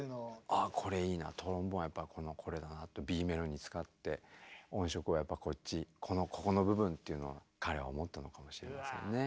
「あっこれいいなトロンボーンやっぱこれだな」とＢメロに使って音色をやっぱこっちここの部分っていうのは彼は思ったのかもしれませんね。